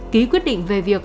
ký quyết định về việc